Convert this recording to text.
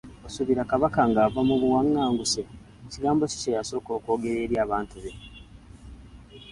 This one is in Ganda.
Osuubira Kabaka ng’ava mu buwangaanguse, kigambo ki kye yasooka okwogera eri abantu be?